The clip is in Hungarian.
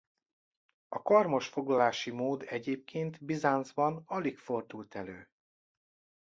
A karmos foglalási mód egyébként Bizáncban alig fordult elő.